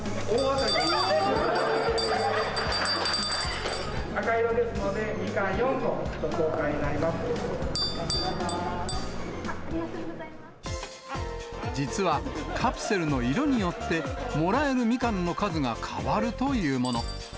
赤色ですので、実は、カプセルの色によってもらえるみかんの数が変わるというもの。